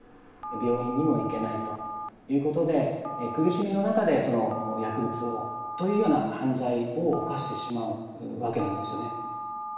病院にも行けないということで苦しみの中でその薬物をというような犯罪を犯してしまうわけなんですよね。